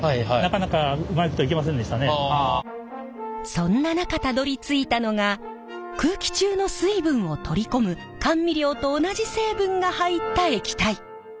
そんな中たどりついたのが空気中の水分をとり込む甘味料と同じ成分が入った液体。